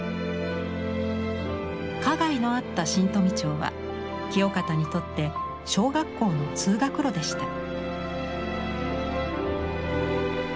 花街のあった新富町は清方にとって小学校の通学路でした。